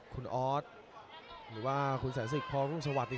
คุณออสหรือว่าคุณแสนศึกพรุ่งสวัสดิ์